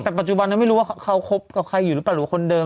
จากปัจจุบันนะไม่รู้ว่าเขาคบกับใครหรือเปล่าหรือว่าคนเดิม